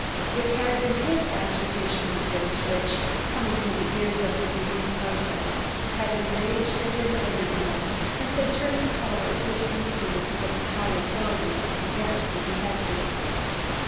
It had been his assertion of this which, coming to the ears of the bereaved husband, had enraged and embittered him, and had turned the power of his influence with the high authorities against the detective.